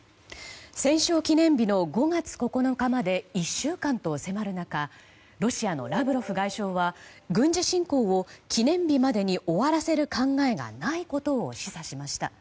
戦勝記念日の５月９日まで１週間と迫る中ロシアのラブロフ外相は軍事侵攻を記念日までに終わらせる考えがないことを示唆しました。